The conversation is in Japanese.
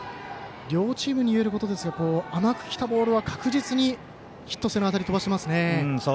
両チームにいえることですが甘くきたボールは確実にヒット性の当たりを飛ばしていますね。